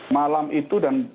malam itu dan